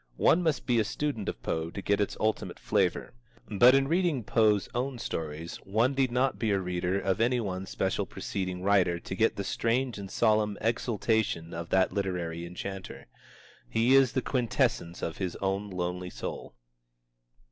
One must be a student of Poe to get its ultimate flavor. But in reading Poe's own stories, one need not be a reader of any one special preceding writer to get the strange and solemn exultation of that literary enchanter. He is the quintessence of his own lonely soul.